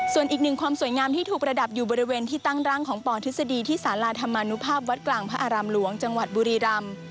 ส่วนอีกหนึ่งความสวยงามที่ถูกประดับอยู่บริเวณที่ตั้งร่างของปทฤษฎีที่สาราธรรมนุภาพวัดกลางพระอารามหลวงจังหวัดบุรีรำ